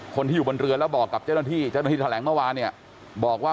คนที่อยู่บนเรือแล้วบอกกับในที่ท่าแหลงเมื่อวานเนี่ยบอกว่า